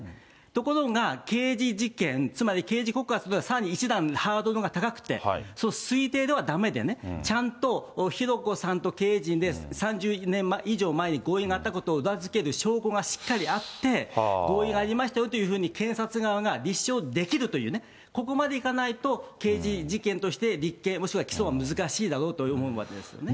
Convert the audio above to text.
ところが、刑事事件、つまり刑事告発というのは、さらに一段ハードルが高くて、その推定ではだめで、ちゃんと浩子さんと経営陣で、３０年以上前に合意があったことを裏付ける証拠がしっかりあって、合意がありましたよというふうに、検察側が立証できるというね、ここまでいかないと、刑事事件として立件、もしくは起訴は難しいだろうと思うわけですよね。